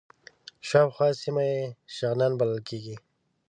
شاوخوا سیمه یې شغنان بلل کېږي.